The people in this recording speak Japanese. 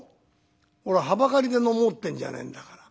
「俺ははばかりで飲もうってんじゃねえんだから。